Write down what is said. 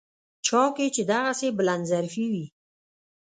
چا کې چې دغسې بلندظرفي وي.